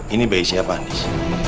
ini bayi siapa andis